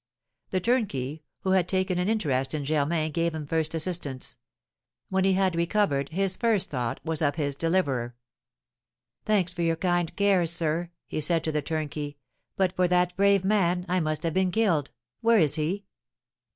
The turnkey, who had taken an interest in Germain, gave him first assistance. When he had recovered, his first thought was of his deliverer. "Thanks for your kind cares, sir," he said to the turnkey. "But for that brave man, I must have been killed. Where is he?"